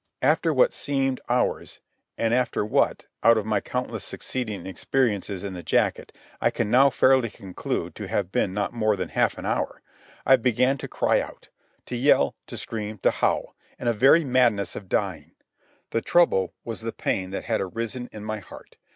After what seemed hours, and after what, out of my countless succeeding experiences in the jacket I can now fairly conclude to have been not more than half an hour, I began to cry out, to yell, to scream, to howl, in a very madness of dying. The trouble was the pain that had arisen in my heart.